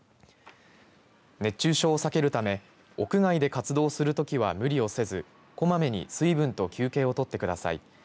熱中症を避けるため屋外で活動する時は無理をせずこまめに水分と休憩を取ってください。